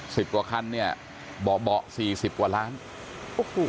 สิบกว่าคันเนี่ยเบาะเบาเบาะสี่สิบกว่าล้านโอ้โห